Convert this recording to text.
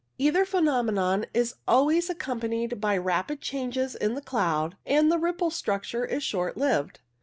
Either phenomenon is always accom panied by rapid changes in the cloud, and the rippled structure is short lived.